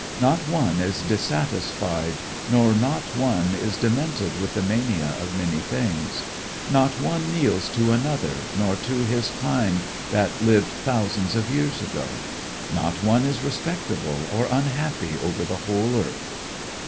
Not one is dissatisfied nor not one is demented with the mania of many things. Not one kneels to another nor to his kind that lived thousands of years ago. Not one is respectable or unhappy, over the whole earth."